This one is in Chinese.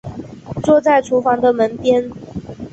坐在厨房的门边